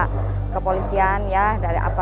kami sangat apresiasi sekali terhadap para pelanggan